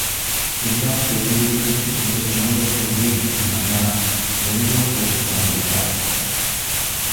எல்லாம் தெரிந்திருந்தும் இந்தச் சமயத்தில் ஏன் உன் அண்ணா ரெங்கோன் போகச் சம்மதித்தார்.